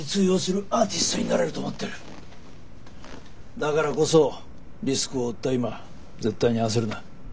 だからこそリスクを負った今絶対に焦るな。